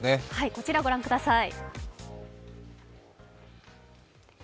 こちらご覧ください。